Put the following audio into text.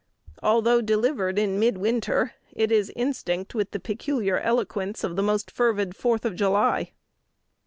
Although delivered in mid winter, it is instinct with the peculiar eloquence of the most fervid Fourth of July.